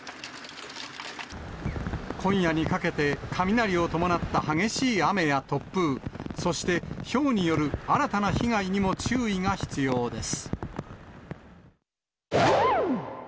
今夜にかけて、雷を伴った激しい雨や突風、そしてひょうによる新たな被害にも注意が必要です。